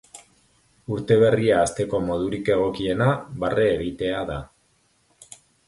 Urte berria hasteko modurik egokiena, barre egitea da.